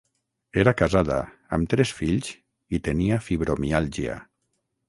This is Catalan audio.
Era casada, amb tres fills, i tenia fibromiàlgia.